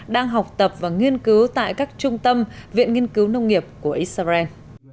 đang học tập và nghiên cứu tại các trung tâm viện nghiên cứu nông nghiệp của israel